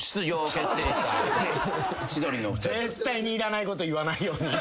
絶対にいらないこと言わないように。